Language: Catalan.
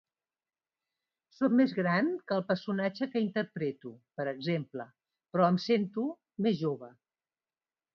Sóc més gran que el personatge que interpreto, per exemple, però em sento jove.